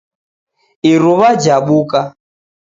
Iruwa jabuka.